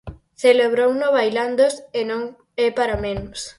Celebrouno bailando e non é para menos.